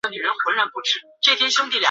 台北至六福村。